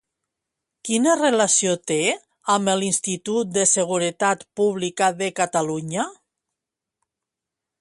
Quina relació té amb l'Institut de Seguretat Pública de Catalunya?